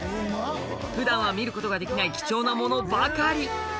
普段は見ることができない貴重なものばかり！